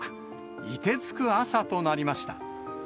いてつく朝となりました。